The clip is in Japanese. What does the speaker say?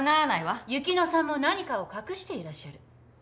雪乃さんも何かを隠していらっしゃる。